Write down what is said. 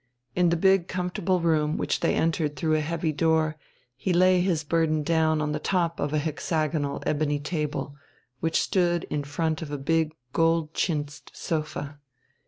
In the big, comfortable room which they entered through a heavy door he laid his burden down on the top of a hexagonal ebony table, which stood in front of a big gold chintzed sofa.